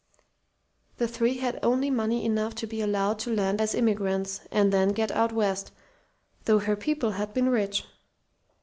The three had only money enough to be allowed to land as immigrants, and to get out west though her people had been rich."